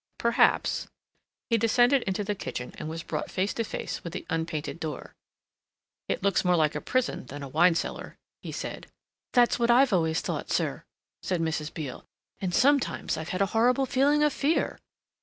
Perhaps he descended into the kitchen and was brought face to face with the unpainted door. "It looks more like a prison than a wine cellar," he said. "That's what I've always thought, sir," said Mrs. Beale, "and sometimes I've had a horrible feeling of fear."